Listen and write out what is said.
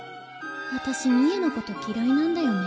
あたし美恵のこときらいなんだよね。